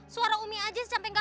suara umi aja sampai gak